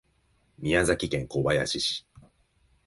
宮崎県小林市